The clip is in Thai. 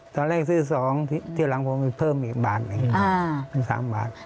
ตอนแรกซื้อสองทีหลังผมเพิ่มอีกบาทสามบาท